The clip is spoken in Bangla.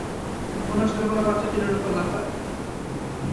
মনে হয় ছোট কোনো বাচ্চা টিনের উপরে লাফায়।